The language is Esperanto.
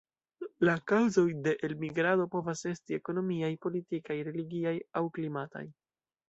La kaŭzoj de elmigrado povas esti ekonomiaj, politikaj, religiaj aŭ klimataj.